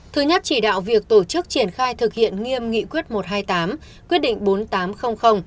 thứ nhất chỉ đạo việc tổ chức triển khai thực hiện nghiêm nghị quyết một trăm hai mươi tám quyết định bốn nghìn tám trăm linh